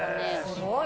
・すごい！